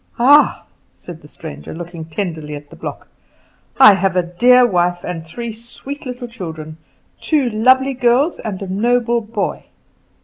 "Ah," said the stranger, looking tenderly at the block, "I have a dear wife and three sweet little children two lovely girls and a noble boy."